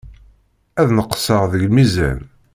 Ad neqseɣ deg lmizan.